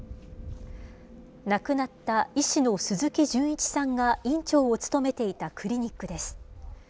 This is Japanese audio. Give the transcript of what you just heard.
亡くなった医師の鈴木純一さんが院長を務めていたクリニックです。